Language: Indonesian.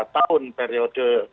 tiga tahun periode